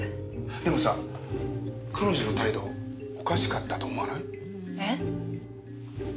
でもさ彼女の態度おかしかったと思わない？え？